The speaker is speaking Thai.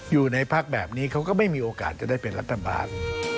อยู่ในพักแบบนี้เขาก็ไม่มีโอกาสจะได้เป็นรัฐบาล